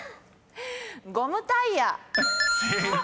「ゴムタイヤ」［正解。